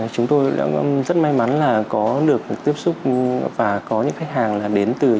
chúng tôi đã rất may mắn là có được tiếp xúc và có những khách hàng là đến từ viatek